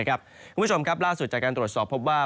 คุณผู้ชมครับล่าสุดจากการตรวจสอบพบว่า